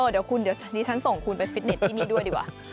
เดี๋ยวคุณเดี๋ยวนี้ฉันส่งคุณไปฟิตเน็ตที่นี่ด้วยดีกว่า